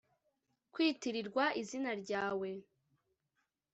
kwitirirwa izina ryawe